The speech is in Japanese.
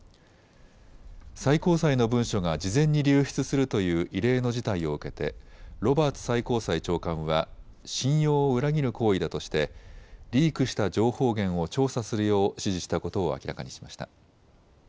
最高裁の文書が事前に流出するという異例の事態を受けてロバーツ最高裁長官は信用を裏切る行為だとしてリークした情報源を調査するよう指示したことを明らかにしました。